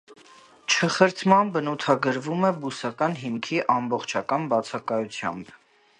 Չխրթման բնութագրվում է բուսակական հիմքի ամբողջական բացակայությամբ։